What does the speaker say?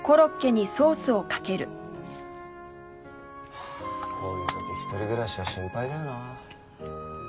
はあこういう時一人暮らしは心配だよなあ。